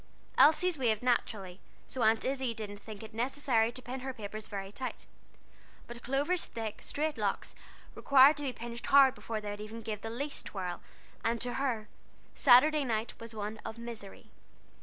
Elsie's waved naturally, so Aunt Izzie didn't think it necessary to pin her papers very tight; but Clover's thick, straight locks required to be pinched hard before they would give even the least twirl, and to her, Saturday night was one of misery.